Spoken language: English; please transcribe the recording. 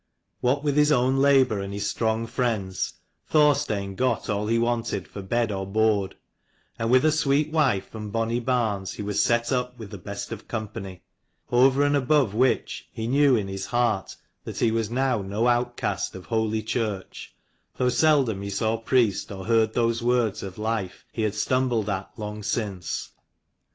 What with his own labour and his strong friends, Thorstein got all he wanted for bed or board : and with a sweet wife and bonny barns he was set up with the best of company. Over and above which, he knew in his heart that he was now no outcast of holy church, though seldom he saw priest or heard those words of life he had stumbled at long since.